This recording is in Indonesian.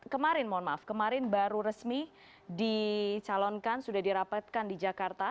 kemarin mohon maaf kemarin baru resmi dicalonkan sudah dirapatkan di jakarta